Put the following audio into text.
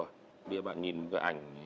bây giờ bạn nhìn cái ảnh